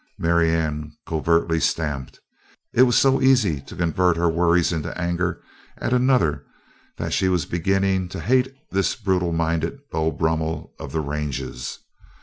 Marianne covertly stamped. It was so easy to convert her worries into anger at another that she was beginning to hate this brutal minded Beau Brummel of the ranges.